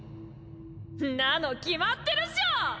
んなの決まってるっしょー！